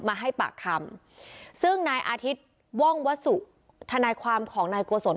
มาให้ปากคำซึ่งนายอาทิตย์ว่องวสุธนายความของนายโกศล